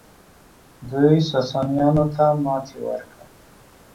دوی ساسانیانو ته ماتې ورکړه